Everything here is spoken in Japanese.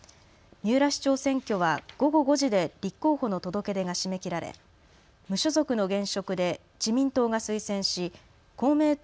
三浦市長選挙は午後５時で立候補の届け出が締め切られ無所属の現職で自民党が推薦し公明党